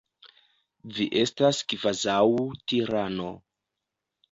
Vi estas kvazaŭ tirano.